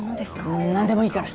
うん何でもいいから。